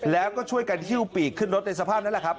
แล้วก็ช่วยกันฮิ้วปีกขึ้นรถในสภาพนั้นแหละครับ